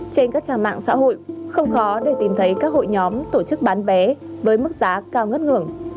trên các trang mạng xã hội không khó để tìm thấy các hội nhóm tổ chức bán vé với mức giá cao ngất ngường